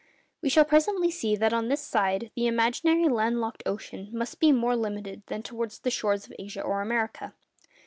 We shall presently see that on this side the imaginary land locked ocean must be more limited than towards the shores of Asia or America.